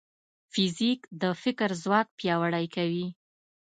فزیک د فکر ځواک پیاوړی کوي.